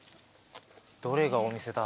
・どれがお店だ？